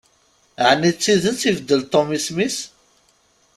Ɛni d tidet ibeddel Tom isem-is?